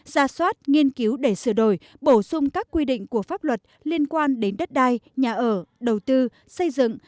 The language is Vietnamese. ra soát nghiên cứu để sửa đổi bổ sung các quy định của pháp luật liên quan đến đất đai nhà ở đầu tư xây dựng